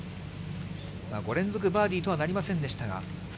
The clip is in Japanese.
５連続バーディーとはなりませんでしたが、